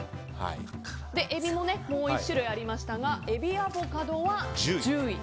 えびももう１種類ありましたがえびアボカドは１０位。